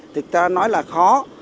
thực ra nói là khó